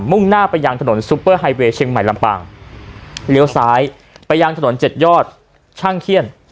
่งหน้าไปยังถนนซุปเปอร์ไฮเวย์เชียงใหม่ลำปางเลี้ยวซ้ายไปยังถนนเจ็ดยอดช่างเขี้ยน